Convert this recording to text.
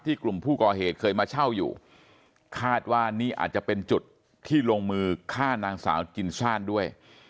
กลุ่มผู้ก่อเหตุเคยมาเช่าอยู่คาดว่านี่อาจจะเป็นจุดที่ลงมือฆ่านางสาวจินซ่านด้วย